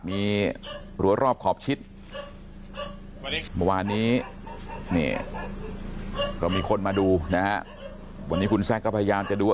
รอบรวมรวมขอบชิดวันนี้ก็มีคนมาดูนะวันนี้คุณแซ็คก็พยายามจะดูว่า